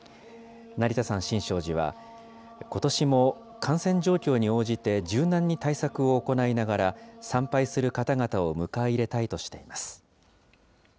成田山新勝寺はことしも感染状況に応じて柔軟に対策を行いながら、参拝する方々を迎え入れたいとしています。